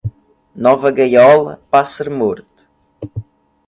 Nova gaiola, pássaro morto.